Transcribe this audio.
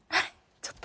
ちょっと。